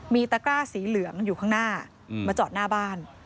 มีตะกร้าสีเหลืองอยู่ข้างหน้ามาจอดหน้าบ้าน